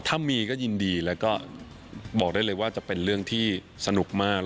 ถ้ามีก็ยินดีแล้วก็บอกได้เลยว่าจะเป็นเรื่องที่สนุกมาก